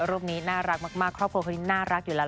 รูปนี้น่ารักมากครอบครัวคนนี้น่ารักอยู่แล้ว